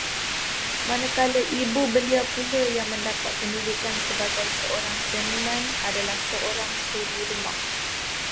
Manakala ibu beliau pula yang mendapat pendidikan sebagai seorang seniman, adalah seorang suri rumah